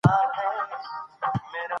تاریخ د خلکو د هيلو انځور دی.